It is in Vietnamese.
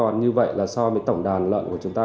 còn như vậy là so với tổng đàn lợn của chúng ta